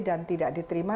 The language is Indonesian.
dan tidak diterima